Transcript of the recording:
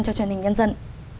cho truyền hình nhân dân